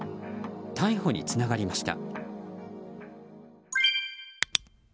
逮捕につながりました。